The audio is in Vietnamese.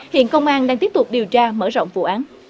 hiện công an đang tiếp tục điều tra mở rộng vụ án